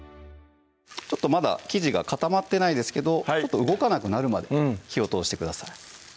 ちょっとまだ生地が固まってないですけど動かなくなるまで火を通してください